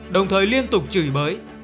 đồng thời liên tục chửi bới